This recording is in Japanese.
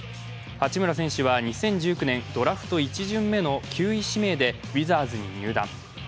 八村選手は２０１９年、ドラフト１巡目の９位指名でウィザーズに入団。